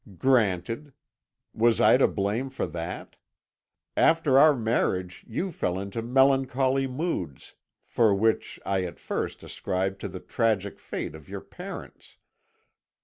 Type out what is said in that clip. _' "'Granted. Was I to blame for that? After our marriage you fell into melancholy moods, which I at first ascribed to the tragic fate of your parents.